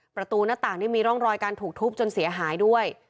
ประตูหน้าต่างนี่มีร่องรอยการถูกทุบจนเสียหายด้วย